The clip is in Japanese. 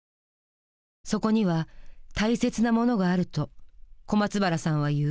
そこには大切なものがあると小松原さんは言う。